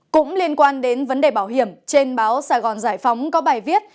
cũng liên quan đến vấn đề bảo hiểm trên báo sài gòn giải phóng có bài viết